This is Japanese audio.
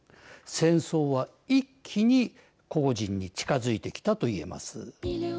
戦争は一気にこうじんに近づいてきたと言えます。